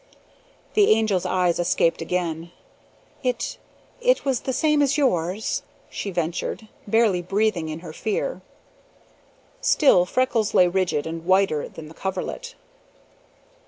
The Angel's eyes escaped again. "It it was the same as yours," she ventured, barely breathing in her fear. Still Freckles lay rigid and whiter than the coverlet.